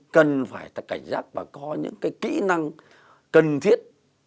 cần phải cảnh giác và có những cái kỹ năng cần thiết